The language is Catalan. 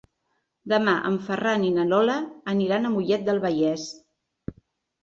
Demà en Ferran i na Lola aniran a Mollet del Vallès.